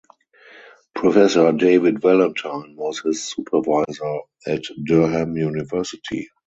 Professor David Valentine was his supervisor at Durham University.